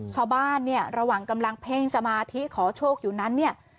ชาวบ้านเนี่ยระหว่างกำลังเพ่งสมาธิขอโชคอยู่นั้นเนี่ย